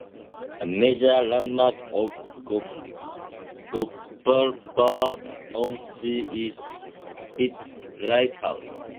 A major landmark of Gopalpur-on-Sea is its lighthouse.